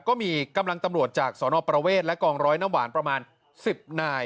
ก็มีกำลังตำรวจจากสนประเวทและกองร้อยน้ำหวานประมาณ๑๐นาย